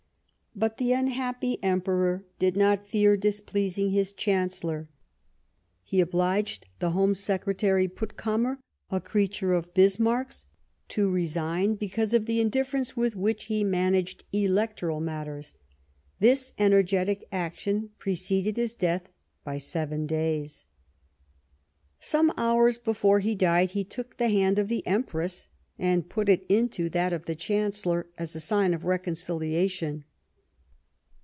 But the unhappy Emperor did not fear dis pleasing his Chancellor ; he obliged the Home Secretary, Puttkamer, a creature of Bismarck's, to send in his resignation because of the indiffeience 223 Bismarck with which he managed electoral matters. This energetic action preceded his death by seven days. Some hours before he died, he took the hand of the Empress and put it into that of the Chancellor as a sign of reconciliation.